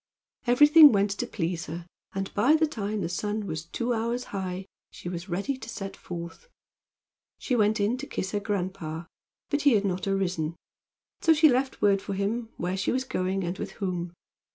Everything went to please her, and by the time the sun was two hours high she was ready to set forth. She went in to kiss her grandpa, but he had not arisen; so she left word for him where she was going and with whom.